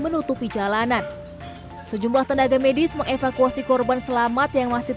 menutupi jalanan sejumlah tenaga medis mengevakuasi korban selamat yang masih